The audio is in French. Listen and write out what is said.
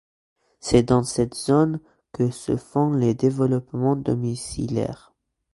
C'est dans cette zone que se font les développements domiciliaires.